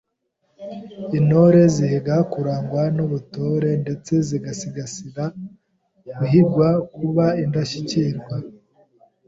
Intore zihiga kurangwa n’Ubutore ndetse zigasizanira guhiganwa kuba Indashyikirwa.